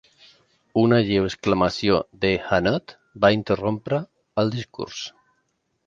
Una lleu exclamació de Hanaud va interrompre el discurs.